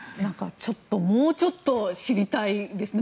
もうちょっと知りたいですね。